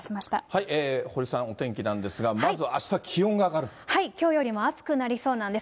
堀さん、お天気なんですが、はい、きょうよりも暑くなりそうなんです。